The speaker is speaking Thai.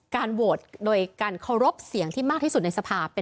การโหวตโดยการเคารพเสียงที่มากที่สุดในสภา